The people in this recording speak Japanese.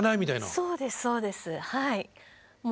そうですそうですはい。